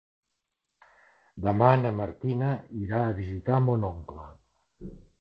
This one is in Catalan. Demà na Martina irà a visitar mon oncle.